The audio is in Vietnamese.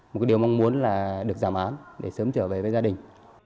một cái điều mong muốn là được giảm án để sớm trở về với gia đình